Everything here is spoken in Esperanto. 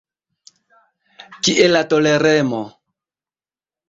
Kie la toleremo?